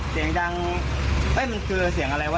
เสียงดังเอ้ยมันคือเสียงอะไรวะ